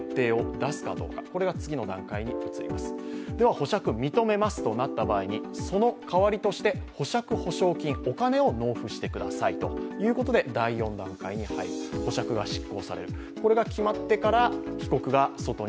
保釈、認めますとなった場合にその代わりとして保釈保証金お金を納付してくださいということで保釈が施行されます。